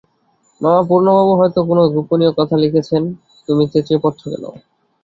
মামা, পূর্ণবাবু হয়তো কোনো গোপনীয় কথা লিখছেন, তুমি চেঁচিয়ে পড়ছ কেন?